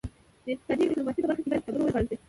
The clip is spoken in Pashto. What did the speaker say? د اقتصادي ډیپلوماسي په برخه کې باید کتابونه وژباړل شي